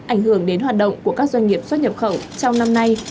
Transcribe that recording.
ảnh hưởng đến hoạt động của các doanh nghiệp xuất nhập khẩu trong năm nay